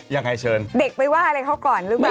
ยังไงเชิญเด็กไปว่าอะไรเขาก่อนหรือเปล่า